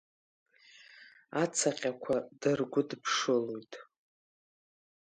Ацаҟьақәа дыргәыдԥшылоит.